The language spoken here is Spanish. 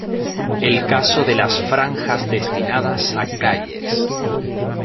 El caso de las franjas destinadas a calles".